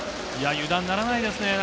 油断ならないですね。